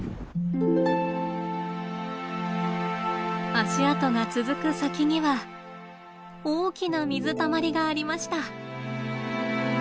足跡が続く先には大きな水たまりがありました。